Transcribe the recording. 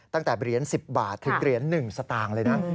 ตั้งแต่เหรียญ๑๐บาทถึงเหรียญ๑สตางค์เลยนะ